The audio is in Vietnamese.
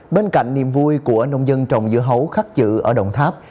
bên cạnh niềm vui của nông dân trồng dưa hấu khắc chữ ở đồng tháp